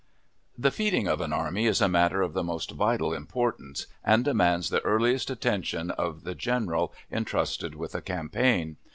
The "feeding" of an army is a matter of the most vital importance, and demands the earliest attention of the general intrusted with a campaign.